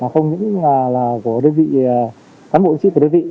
không những là của đối vị cán bộ chiến sĩ của đối vị